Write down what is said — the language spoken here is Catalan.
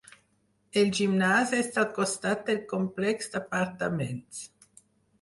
El gimnàs està al costat del complex d'apartaments.